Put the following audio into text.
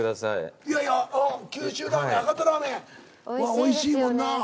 おいしいもんな。